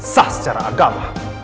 sah secara agama